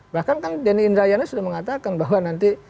bahkan kan denny indrayana sudah mengatakan bahwa nanti